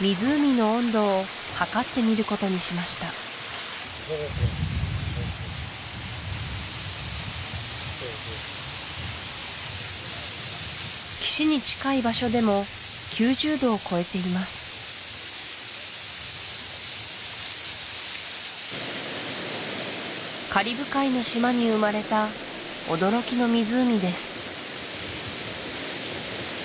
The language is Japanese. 湖の温度を測ってみることにしました岸に近い場所でも９０℃を超えていますカリブ海の島に生まれた驚きの湖です